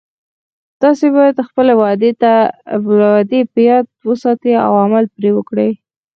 تاسې باید خپلې وعدې په یاد وساتئ او عمل پری وکړئ